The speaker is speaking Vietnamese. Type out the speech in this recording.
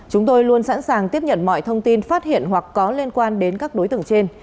chúng tôi luôn sẵn sàng tiếp nhận mọi thông tin phát hiện hoặc có liên quan đến các đối tượng trên